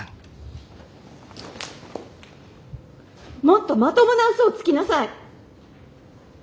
もっとまともな嘘をつきなさい！